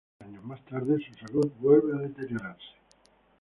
Varios años más tarde, su salud vuelve a deteriorarse.